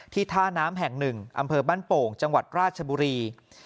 ท่าน้ำแห่งหนึ่งอำเภอบ้านโป่งจังหวัดราชบุรี